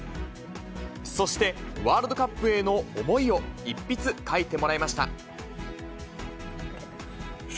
そして、ワールドカップへの思いを一筆書いてもらいました。